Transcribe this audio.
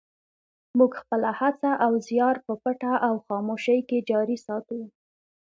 موږ خپله هڅه او زیار په پټه او خاموشۍ کې جاري ساتو.